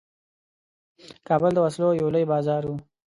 کابل د وسلو یو لوی بازار وو.